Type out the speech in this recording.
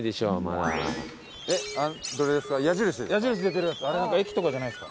どれですか？